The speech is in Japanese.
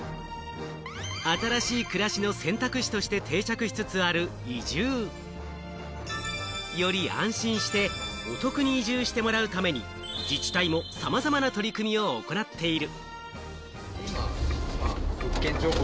新しい暮らしの選択肢として定着しつつある移住。より安心してお得に移住してもらうために、自治体もさまざまな取り組みを行っている。